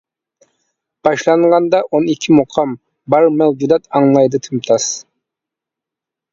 باشلانغاندا «ئون ئىككى مۇقام» بار مەۋجۇدات ئاڭلايدۇ تىمتاس.